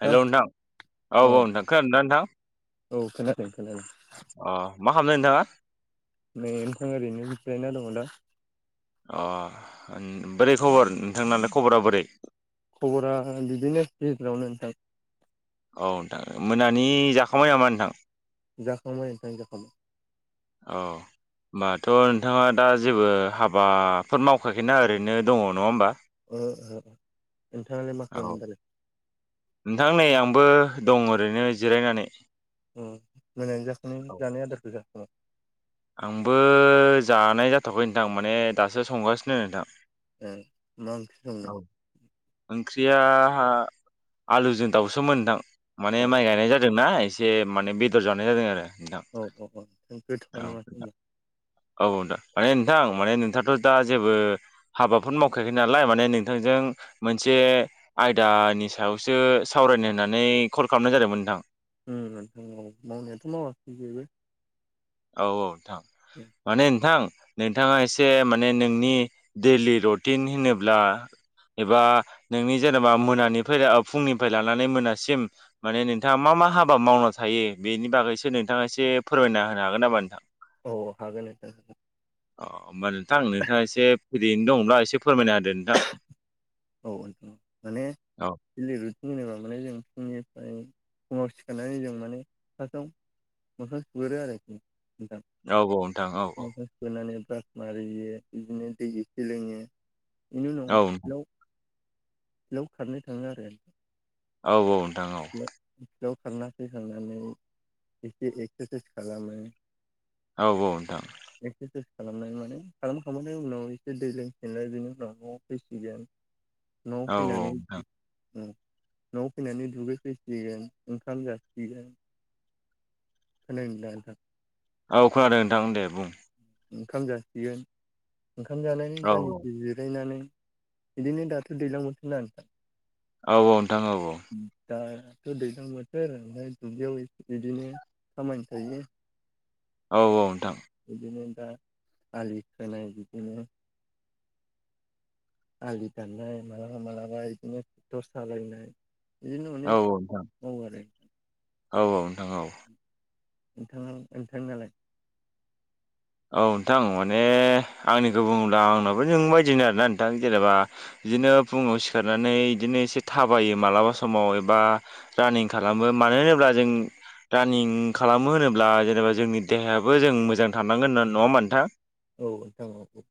Hello नोंथां औ औ नोंथां खोनादोंना नोंथां औ खोनादों खोनादों आह मा खालामदों नोंथांआ नै नोंथां ओरैनो जिरायना दं दा ओह उम बोरै खबर नोंथांनालाय खबरा बोरै खबरा बिदिनो गेजेरावनो नोंथां औ नोंथां मोनानि जाखांबाय नामा नोंथां जाखांबाय नोंथां जाखांबाय अह होमबाथ' नोंथांआ दा जेबो हाबाफोर मावखायाखैना ओरैनो दङ नङा होमबा ओ ओह नोंथाङालाय मा औ खालामदालाय नोंथां नै आंबो दं ओरैनो जिरायनानै उम मोनानि जाखां औ जानाय आदारखौ जाखांबाय आंबो जानाय जाथ'आखै नोंथां माने दासो संगासिनो नोंथां ए मा ओंख्रि संदों ओंख्रियाह आलुजों दाउसोमोन नोंथां औ मानि माइ गायनाय जादों ना एसे माने बेदर जानाय जादों आरो नोंथां औ औ औ गोथावानो औ माथो होनबा औ दा मानि नोंथां माने नोंथाङाथ' दा जेबो हाबाफोर मावखायाखै नालाय माने नोंथांजों जों मोनसे आयदानि सायावसो सावरायनो होननानै कल खालामनाय जादोंमोन नोंथां उम उम मावनायाथ' मावासै जेबो औ औ नोंथां माने नोंथां नोंथांआ एसे मानि नोंनि दैलि रुटिन होनोब्ला एबा नोंनि जेनेबा मोनानिफ्राय फुंनिफ्राय लानानै मोनासिम मानि नोंथाङा मा मा हाबा मावना थायो बेनि बागैसो नोंथाङा एसे फोरमायना होनो हागोन नामा नोंथां औ हागोन नोंथां अह होमबा नोंथां नोंथांआ एसे फ्रियैनो दंब्ला एसे फोरमायना होदो नोंथां औ माने औ लिर होनोबा माने जों फुंनिफ्राय [unintelligible] फुंआव सिखारनानै जों माने फासाव मोखां सुगोरो आरो औ औ नोंथां औ औ सुनानै ब्रास मारियो इदिनो दै एसे लोङो बेनि औ उनाव फिलाव फिलाव खारनो थाङो आरो औ औ औ फिल्दाव खारना फैखांनानै एसे एक्सारसाइस खालामो औ औ नोंथां खालामनाय माने खालामखांनायनि उनाव एसे दै लोंफिनलाय बिनि उनाव न'आव फैसिगोन न'आव औ फैनानै नोंथां न'आव फैनानै दुगै फैसिगोन ओंखाम जासिगोन खोनादोना नोंथां औ खोनादों नोंथां दे बुं ओंखाम जासिगोन ओंखाम जानायनि औ दानदिसे जिरायनानै बिदिनो दाथ' दैज्लां बोथोरना नोंथां औ औ दा- थ' दैज्लां बोथोर ओमफ्राय दुब्लियाव बिदिनो खामानि थायो औ औ नोंथां बिदिनो दा आलि खोनाय बिदिनो आलि दाननाय मालाबा मालाबा बिदिनो ट्रेक्टर सालायनाय बिदिनो औ नोंथां माने मावो आरो औ औ नोंथां औ नोंथाङा नोंथां नालाय औ नोंथां माने आंनिखौ बुङोब्ला आंनाबो नोंनि बायदिनो आरोना नोंथां जेनेबा बिदिनो फुङाव सि खारनानै बिदिनो एसे थाबायो मालाबा समाव एबा रानिं खालामो मानो होनोब्ला जों रानिं खालामो होनोब्ला जेनेबा जोंनि देहायाबो जों मोजां थानांगोन होनना नङा होनबा नोंथां औ नोंथां औ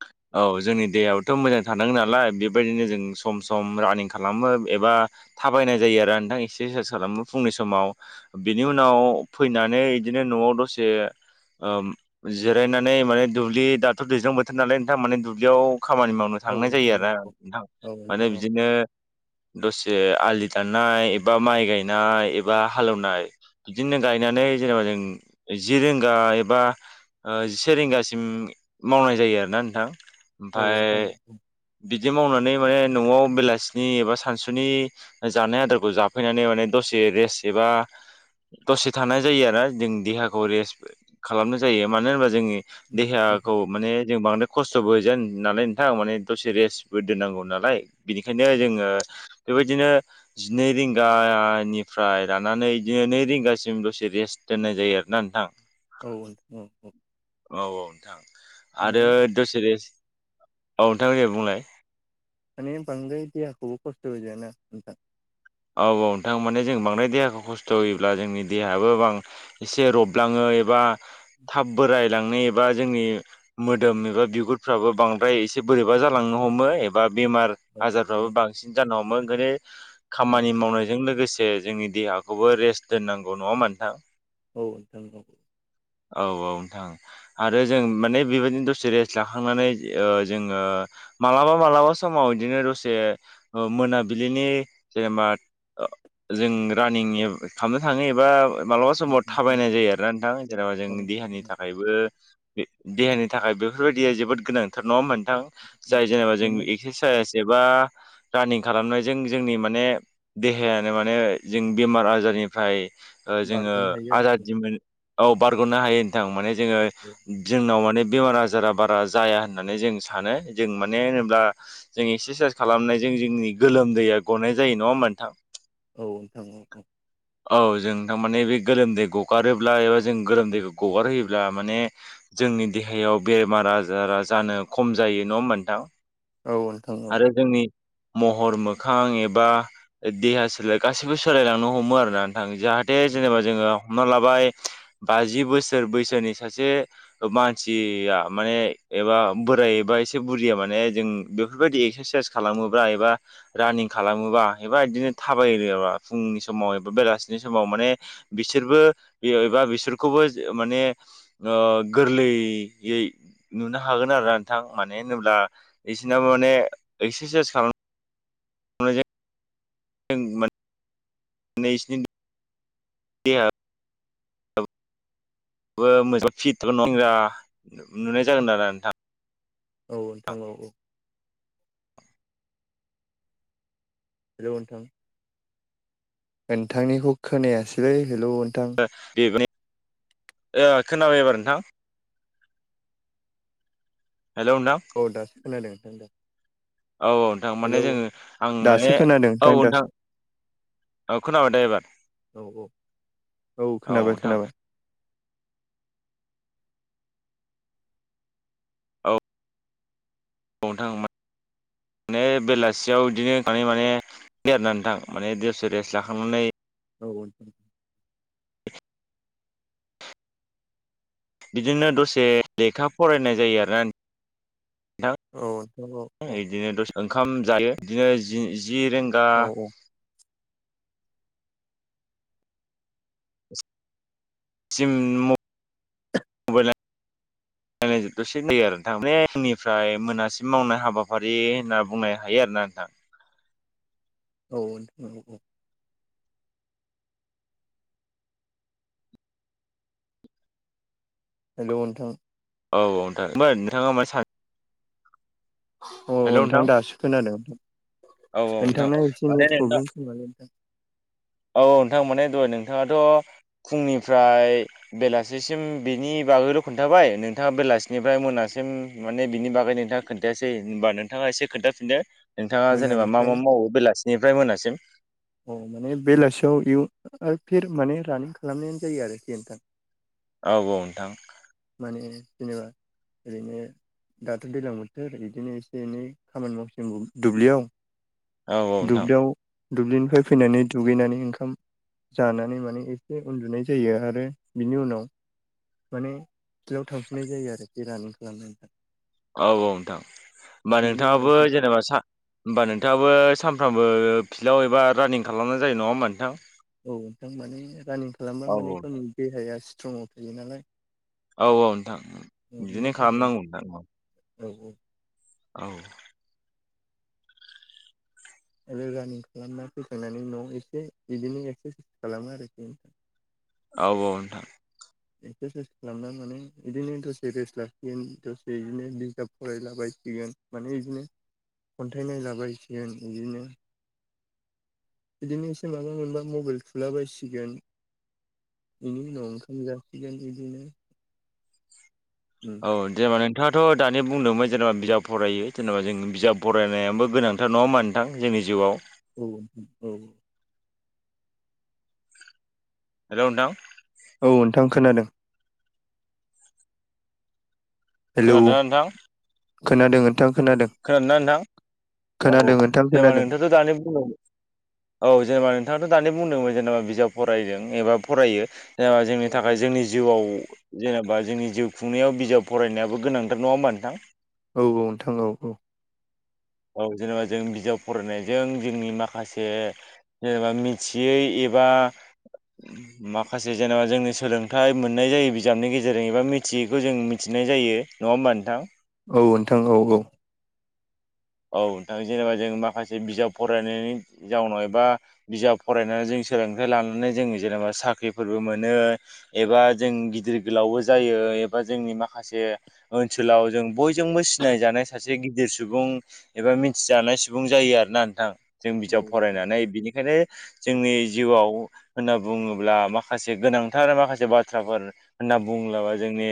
औ जोंनि देहायावथ' मोजां थानांगोन नालाय बेबायदिनो जों सम सम रानिं खालामो एबा थाबायनाय जायो आरो नोंथां एक्सारसाइस खालामो फुंनि समाव बिनि उनाव फैनानै बिदिनो न'आव दसे ओम- जिरायनानै माने दुब्लि दाथ' दैज्लां बोथोर नालाय नोंथां माने दुब्लियाव खामानि मावनो औ थांनाय जायो नोंथां औ आरोना नोंथां औ नोंथां माने औ बिदिनो दसे आलि दाननाय एबा माइ गायनाय एबा हाले एवनाय बिदिनो गायनानै जेनेबा जों जि रोंगा एबा ओ-जिसे रिंगासिम मावनाय जायो आरोना नोंथां औ ओमफाय नोंथां बिदि मावनानै माने न'आव बेलासिनि एबा सानसुनि जानाय आदारखौ जाफैनानै माने दसे से रेस एबा दसे थानाय जायो आरो जों देहाखौ रेस्ट खालामनाय जायो मानो होनबा जोंनि देहाखौ माने जों बांद्राय खस्थ'बो होजाया नालाय नोंथां माने दसे रेस्टबो दोननांगौ नालाय बिनिखायनो जोङो बेबायदिनो जिनै रिंगानिफ्राय लानानै बिदिनो नै रिंगासिम दसे रेस्ट दोननाय जायो आरोना नोंथां औ औ औ औ औ नोंथां आरो माने दसे रेस्ट औ नोंथां दे बुंलाय माने बांद्राय देहाखौबो खस्थ होजायाना नोंथां औ औ नोंथां माने जों बांद्राय देहाखौ खस्थ' खस्थ' होयोब्ला जोंनि देहायाबो बां एसे रबलाङो एबा थाब बोरायलांनो एबा जोंनि मोदोम एबा बिगुरफ्राबो बांद्राय एसे बोरैबा जालां नो हमो एबा बेमार औ आजारफ्राबो औ बांसिन जानो हमो ओंखायनो खामानि औ मावनायजों लोगोसे जोंनि देहाखौबो रेस्ट दोननांगौ नङा होमबा नोंथां औ औ औ नोंथां आरो जों माने बेबायदिनो दसे रेस्ट लाखांनानै ओ जोङो मालाबा मालाबा समाव बिदिनो दसे ओ मोनाबिलिनि जेनेबा जों रानिं खालामनो थाङो एबा मालाबा समाव थाबायनाय जायो आरोना नोंथां। जेन'बा जों औ देहानि थाखायबो देहानि थाखाय बेफोरबायदिया जोबोद गोनांथार। नङा होनबा नोंथां? जाय जेनेबा जों माने एक्सारसाइस एबा रानिं खालामनायजों जोंनि माने देहायानो माने जों बेमार आजारनिफ्राय ओ जोङो बारग'नो हायो आरोखि आजादिमोन, औ बारग'नो हायो नोंथां माने जोङो जोंनाव माने बेमार आजारा बारा जाया होननानै जों सानो। जों माने होनोब्ला जों एक्सारसाइस खालामनायजों जोंजोंनि गोलोमदैया गनाय जायो, नङा होनबा नोंथां? औ नोंथां औ औ औ जों थारमाने बे गोलोमदै गगारोब्ला एबा जों गोरोमदैखौ गगार होयोब्ला माने जोंनि देहायाव बेमार आजारा जानो खम जा जायो नङा होनबा नोंथां? औ नोंथां औ। आरो जोंनि महर मोखां एबा देहा सोलाय गाैबो सोलायलांनो हमो आरोना जाहाथे जेनेबा जोङो हमना लाबाय बाजि बोसोर बैसोनि सासे मानसिया माने एबा बोरायबाय खायसे बुरिया माने जों बेफोरबायदि एक्सारसाइस खालामोबा एबा रानिं खालामोबा एबा बिदिनो थाबायोब्ला फुंनि समाव एबा बेलासिनि समाव माने बिसोरबो बे एबा बिसोर खौबो माने ओ गोरलैयै नुनो हागोन आरो नोंथां माने मानो होनोब्ला बिसिनाबो माने एक्सारसाइस खालाम अ जे [unintelligible] जों माने नैसिनि देहा मोजां फिटा [inaudible] नुनाय जागोन आरो नोंथाङा [unintelligible] औ नोंथां औ औ हेल' नोंथां नोंथांनिखौ खोनायासैलै हेलौ नोंथां बेब [unintelligible] ओ खोनाबाय एबार नोंथां? हेलौ नोंथां औ दासो खोनादों नोंथां दे औ नोंथां माने जोङो आं दासो माने खोनादों औ नोंथां दासो औ खोनाबाय नोंथां एबार, औ औ औ खोनाबाय नोंथां। खोनाबाय औ बावनो थाङो माने - बेलासियाव बिदिनो थांनाय माने देरनानै थां माने दसे रेस्ट लाखांनानै औ बिदिनो दसे लेखा फरायनाय जायो आरो ना औ नोंथां औ औ दसे ओंखाम जायो बिदिनो जि जि रेंगा औ सिम म मबाइल [inaudible] जायो आरो नोंथां माने [unintelligible] आोंनिफ्राय मोनासिम मावनाय हाबाफारि होनना बुंनो हायो आरो ना नोंथां। औ नोंथां औ औ हेल' नोथां औ औ नोंथां फ्राय नोंथाङा मान स [unintelligible] औ नोंथां दासो खोनादों औ नोंथां नोंथांा एसे माने नेट नोंथां प्रब्लेमस नालाय नोंथां [inaudible] [unintelligible] औ नोंथां माने दह नोंथाङाथ' फुंनिफ्राय बेलासिसिम बिनि नि बागैल' खोनन्थाबायोंथाङा बेलासिनिफ्राय मोनासिम माने बिनि बागै नोंथाङा खोन्थायासै होनबा नोंथाङा एसे खोनथाफिनदो नोंथाङा जेनेबा मा मोनानिफ्राय मा मावो बेलासिनिफ्राय मोनासिम अ माने बेलासियाव माने फिर माने रानिं खालामनायानो जायो आरो जिनोथां [inaudible] औ औ नोंथां माने जेनेबा ओरैनो दाथ' दैज्लां बोथोर बिदिनो एसे एनै खामानि मावसिग दुब्लियाव औ औ नोंथां। फैफिनानै दुगैनानै ओंखाम। जानानै माने एसे उन्दुनाय जायो आरो बिनि उनाव। माने फिल्डआव थांफिननाय जायो आरोखि रानिं खालामनायनिफ्राय। औ औ नोंथां होमबा उनाव नोंथाङाबो जेनेबा सा। होमबा नोंथाङाबो सानफ्रामबो फिल्डआव एबा रानिं खालामनाय जायो नङा होमबा नोंथां? औ नोंथां माने रानिं खालामबा औ माने औ। गावनि देहाया स्ट्रंआव थायो नालाय। औ औ नोंथां औ बेनि बिदिनो थाखाय खालामनांगौ नोंथां औ। औ औ। औ। आरो रानिं खालामना फोसांनानै न'आव एसे बिदिनो एक्सारसाइस खालामो आरोखि। औ औ नोंथां। एक्सारसाइस खालामना माने बिदिनो दसे रेस्ट लाखिगोन दसे बिदिनो बिजाब फरायलाबाय। सिगोन माने इदिनो खन्थाइनाय लाबायसिगोन इदिनो। बिदिनो एसे माबा मोनबा मबाइल थुला बसिगोन। बेनि उनाव ओंखाम जासिगोन बिदिनो। [inaudible] थाङाथ' दानि बुंदोंमोन जेनेबा बिजाब फरायो जेनेबा जों बिजाब फरायनायाबो गोनांथार नङा होमबा नोंथां जोंनि। जिउआव। औ औ। हेल' नोंथां। औ ओनथां खोनादों। हेलौ खोनादोंना ओनथां? खोनादों ओनथां। खोनादों नोंथां औ औ खोनादों नोंथां जेबा खोनादों नोंथाआथ' दानि बुंदों। औ जेनेबा। थाङाथ' दानि बुंदोंमोन जेनेबा बिजाब फरायदों एबा फरायो जेनेबा जोंनि थाखाय औ जोंनि जिउआव। जेनेबा जोंनि जिउ खुंनायाव बिजाब फरायनायाबो गोनांथार नङा होमबा नोंथां? औ औ नोंथां औ औ। औ जेनेबा जों बिजाब फरायनायजों जोंनि माखासे जेनेबा मिथियै। एबा। माखासे जेनेबा जोंनि सोलोंथाइ मोननाय जायो बिजाबनि गेजेरजों एबा मिथियैखौ जों मिथिनो। नाय जायो नङा होमबा नोंथां। औ नोंथां औ औ। औ नोंथां जेनेबा जों माखासे बिजाब फरायनायनि जाउनाव एबा बिजाब फरायनानै जों। सोलोंथाइ लानानै जों जेनेबा साख्रिफोरबो मोनो एबा जों गिदिर गोलावबो जायो। एबा जोंनि माखासे ओनसोलाव जों बयजोंबो सिनायजानाय सासे गिदिर सुबुं। एबा मिथिजानाय सुबुं जायो आरो ना नोंथां। जों औ बिजाब नोंथां औ फरायनानै बिनिखायनो जोंनि जिउआव। होनना बुङोब्ला माखासे गोनांथार माखासे बाथ्राफोर होनना बुंलाबा जोंनि।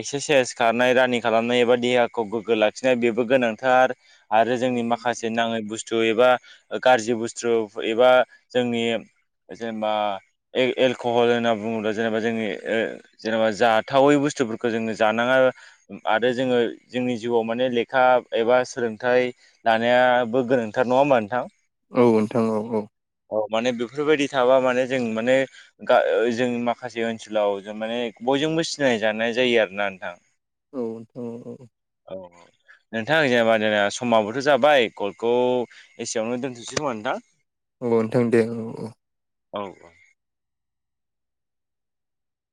एक्सारसाइस खारनाय रानिं खालामनाय एबा देहाखौ गोग्गो लाखिनाय बेबो गोनांथार। आरो जोंनि माखासे नाङै बुस थु एबा गाज्रि बुस्थु एबा जोंनि। जेनेबा एल-एलक'हल होनना बुङोब्ला जेनेबा जोंनि ओ जेनेबा जाथावै बुस थुफोरखौ जोङो जानाङा आरो जोङो जोंनि जिउआव माने लेखा एबा सोलोंथाइ लानायाबो गोनांथार नङा होमबा नोंथां? औ नोंथां औ औ। अ माने बेफोरबायदि थाबा माने जों माने गा ओ जों माखासे ओनसोलाव जों माने बय जोंबो सिनाय जानाय जायो आरो ना नोंथां औ औ औ नोंथां [unintelligible] जोङा समाबोथ' जाबाय कलखौ एसेयावनो दोनथ'सै खोमा नोंथां औ नोंथां दे औ औ औ अ